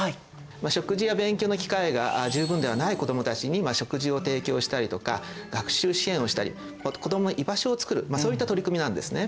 食事や勉強の機会が十分ではない子どもたちに食事を提供したりとか学習支援をしたり子どもの居場所を作るそういった取り組みなんですね。